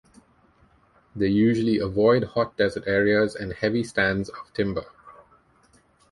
They usually avoid hot desert areas and heavy stands of timber.